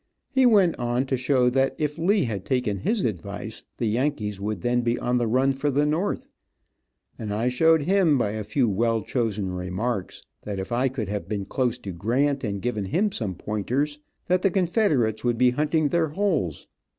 He went on to show that if Lee had taken his advice, the Yankees would then be on the run for the North, and I showed him, by a few well chosen remarks that if I could have been close to Grant, and given him some pointers, that the Confederates would be hunting their holes.